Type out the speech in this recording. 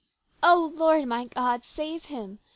" O Lord, my God, save him